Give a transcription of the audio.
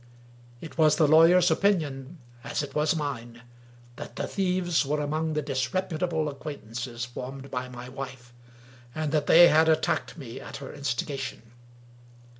It was the lawyer's opinion (as it was mine) that the thieves were among the disreputable acquaintances formed by my wife, and that they^ 253 English Mystery Stories had attacked me at her instigation.